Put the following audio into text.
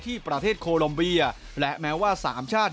ที่ประเทศโคลมเบียและแม้ว่าสามชาติ